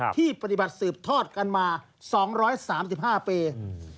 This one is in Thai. ที่ปฏิบัติสืบทอดกันมา๒๓๕ปี